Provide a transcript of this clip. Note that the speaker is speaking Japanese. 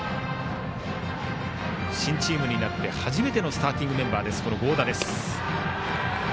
新チームになって初めてのスターティングメンバーの合田。